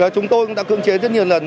chúng tôi cũng đã cưỡng chế rất nhiều lần